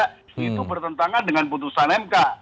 itu bertentangan dengan putusan mk